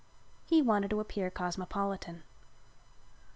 He wanted to appear cosmopolitan.